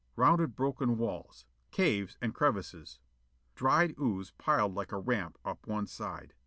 Rounded broken walls. Caves and crevices. Dried ooze piled like a ramp up one side.